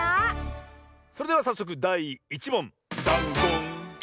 それではさっそくだい１もんダンゴン！